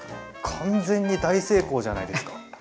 完全に大成功じゃないですか。